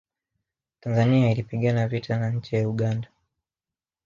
tanzania ilipigana vita na nchi ya uganda